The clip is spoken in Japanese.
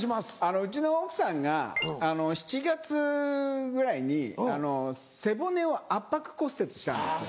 うちの奥さんが７月ぐらいに背骨を圧迫骨折したんですよ。